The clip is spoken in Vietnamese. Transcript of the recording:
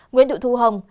nguyễn thị thu hồng